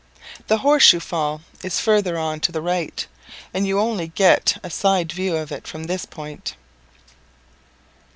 The Horse shoe Fall is further on to the right, and you only get a side view of it from this point.